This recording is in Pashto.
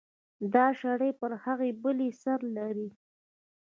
دا شړۍ پر هغې بلې سر لري.